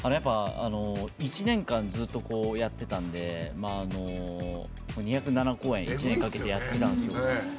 １年間、ずっとやってたので２０７公演１年かけてやってたんですよ。